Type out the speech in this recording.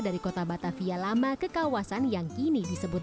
dari kota batavia lama ke kawasan yang kini disebut